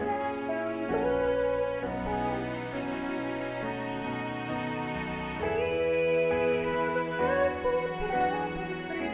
rihablah putra menteri